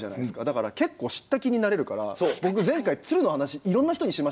だから結構知った気になれるから僕前回鶴の話いろんな人にしましたよ。